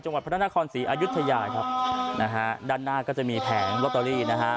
พระนครศรีอายุทยาครับนะฮะด้านหน้าก็จะมีแผงลอตเตอรี่นะฮะ